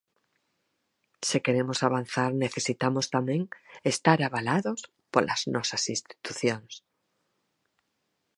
Se queremos avanzar necesitamos, tamén, estar avalados polas nosas institucións.